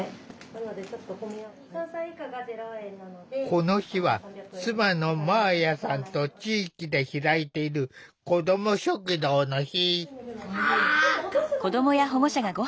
この日は妻の麻綾さんと地域で開いているこども食堂の日。